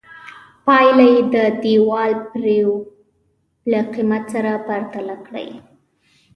پایله یې د دیوال پرېړوالي له قېمت سره پرتله کړئ.